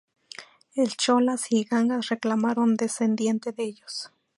El Cholas y Gangas reclamaron descendiente de ellos.